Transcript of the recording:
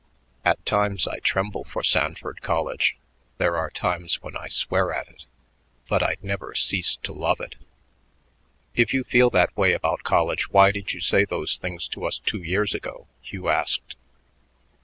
At times I tremble for Sanford College; there are times when I swear at it, but I never cease to love it." "If you feel that way about college, why did you say those things to us two years ago?" Hugh asked.